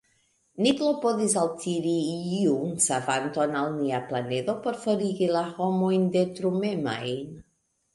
Ni klopodis altiri iun savanton al nia planedo por forigi la homojn detrumemajn.